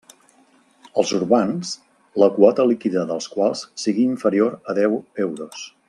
Els urbans, la quota líquida dels quals sigui inferior a deu euros.